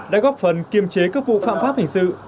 đã góp phần kiềm chế các vụ phạm pháp hình sự